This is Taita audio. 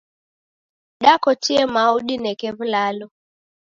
Dakotie mao udineke w'ulalo.